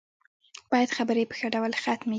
بايد خبرې په ښه ډول ختمې کړي.